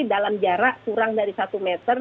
dalam jarak kurang dari satu meter